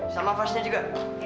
sama verse nya juga